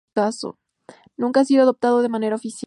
Nunca ha sido adoptado de manera oficial.